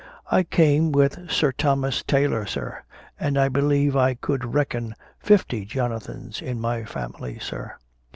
"I came with Sir Thomas Taylor, Sir; and I believe I could reckon fifty Jonathans in my family, Sir."